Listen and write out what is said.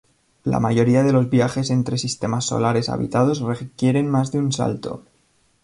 La mayoría de los viajes entre sistemas solares habitados requieren más de un salto.